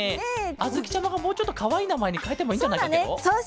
あづきちゃまがもうちょっとかわいいなまえにかえてもいいんじゃないかケロ？